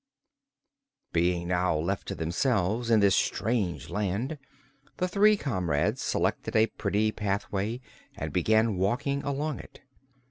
Being now left to themselves in this strange land, the three comrades selected a pretty pathway and began walking along it.